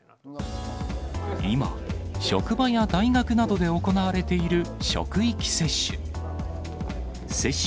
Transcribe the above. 今、職場や大学などで行われている職域接種。